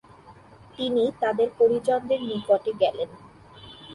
তিনি তাঁদের পরিজনের নিকট গেলেন।